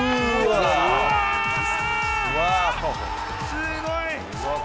すごい。